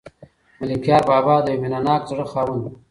ملکیار بابا د یو مینه ناک زړه خاوند و.